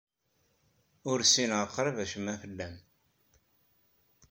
Ur ssineɣ qrib acemma fell-am.